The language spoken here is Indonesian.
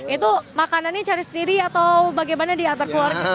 itu makanannya cari sendiri atau bagaimana diantar keluarga